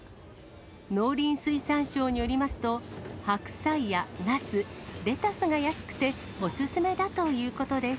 農林水産省によりますと、白菜やナス、レタスが安くてお勧めだということです。